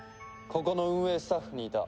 ここの運営スタッフにいた。